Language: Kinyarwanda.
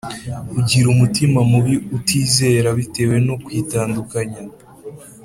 ugira umutima mubi utizera bitewe no kwitandukanya